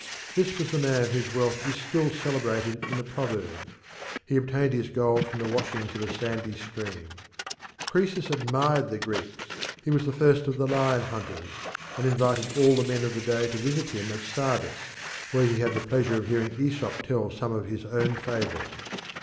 This was the man whose wealth is still celebrated in a proverb he obtained his gold from the washings of a sandy stream. Croesus admired the Greeks; he was the first of the lion hunters, and invited all the men of the day to visit him at Sardis, where he had the pleasure of hearing Aesop tell some of his own fables.